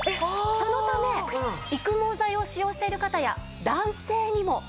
そのため育毛剤を使用している方や男性にもおすすめなんです。